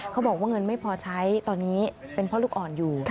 เขาบอกว่าเงินไม่พอใช้ตอนนี้เป็นพ่อลูกอ่อนอยู่